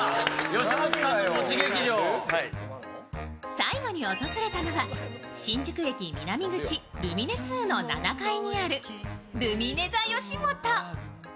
最後に訪れたのは新宿駅南口ルミネ２の７階にあるルミネｔｈｅよしもと。